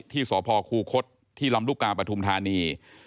ที่สพคูคศที่ลำลูกกาปฐุมธานี